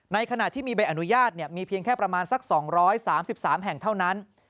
ขณะที่มีใบอนุญาตมีเพียงแค่ประมาณสัก๒๓๓แห่งเท่านั้น